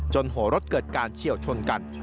หัวรถเกิดการเฉียวชนกัน